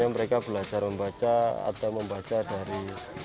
mereka belajar membaca atau membaca dari